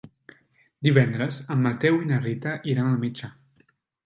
Divendres en Mateu i na Rita iran al metge.